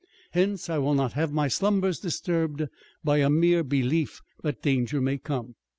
Hence, I will not have my slumbers disturbed by a mere belief that danger may come."